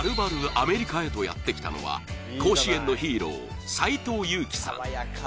アメリカへとやってきたのは甲子園のヒーロー、斎藤佑樹さん。